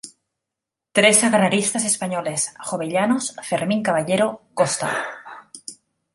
Tres agraristas españoles: Jovellanos, Fermín Caballero, Costa.